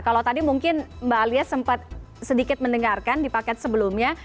kalau tadi mungkin mbak alia sempat sedikit mendengarkan di paket sebelumnya